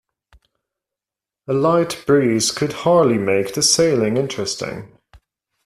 A light breeze could hardly make the sailing interesting.